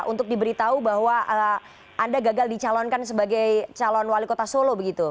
untuk diberitahu bahwa anda gagal dicalonkan sebagai calon wali kota solo begitu